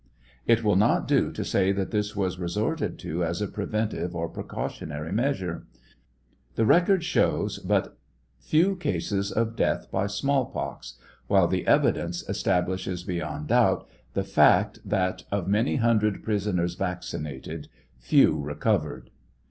It will not do to say that this was resorted to as a preventive or precautionary measure. The record shows but few cases of death by small pox, while the evidence establishes beyond doubt the fact that of many hundred pris oners vaccinated, few recovered.